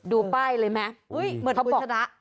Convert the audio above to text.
ดูป้ายเลยแม่เหมือนคุณชนะ